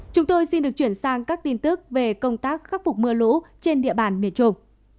chúng tôi xin được chuyển sang các tin tức về công tác khắc phục mưa lũ trên địa bàn miền trung